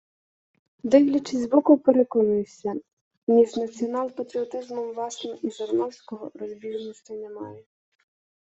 Дивлячись збоку, переконуєшся: між націонал-патріотизмом вашим і Жириновського – розбіжностей немає